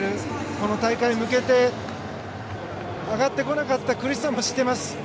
この大会に向けて上がってこなかった苦しさも知ってます。